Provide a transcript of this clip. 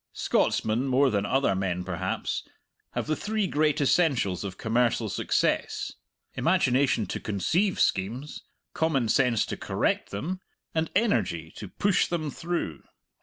Scotsmen, more than other men perhaps, have the three great essentials of commercial success imagination to conceive schemes, common sense to correct them, and energy to push them through.